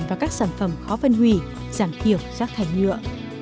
và các sản phẩm khó phân hủy giảm kiểu giác thải nhựa